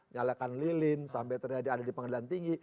nyalakan lilin sampai terjadi ada di pengadilan tinggi